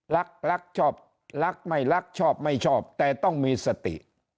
รักรักชอบรักไม่รักชอบไม่ชอบแต่ต้องมีสติ